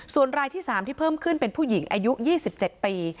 ส่วนรายที่๓ที่เพิ่มขึ้นเป็นผู้หญิงอายุ๒๗ปี